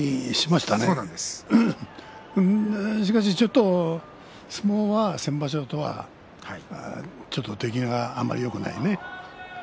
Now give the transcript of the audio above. しかし、ちょっと相撲は先場所とはちょっと出来があんまりよくないね。